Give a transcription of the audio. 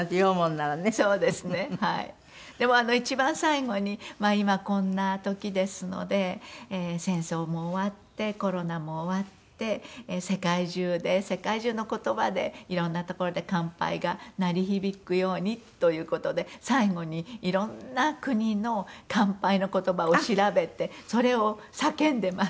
でも一番最後にまあ今こんな時ですので戦争も終わってコロナも終わって世界中で世界中の言葉でいろんな所で「乾杯」が鳴り響くようにという事で最後にいろんな国の「乾杯」の言葉を調べてそれを叫んでます。